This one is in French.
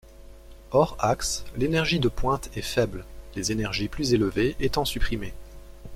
Hors axe, l'énergie de pointe est faible, les énergies plus élevées étant supprimées.